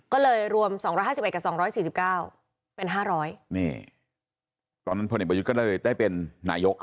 ก็เลยรวม๒๕๑กับ๒๔๙เป็น๕๐๐นี่ตอนนั้นพลเอกประยุทธ์ก็เลยได้เป็นนายก